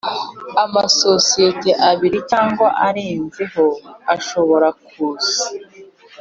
Amasosiyete abiri cyangwa arenzeho ashobora kuza